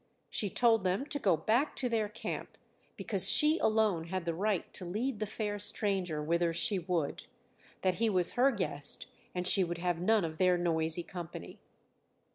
She told them to go back to their camp, because she alone had the right to lead the fair stranger whither she would that he was her guest and she would have none of their noisy company.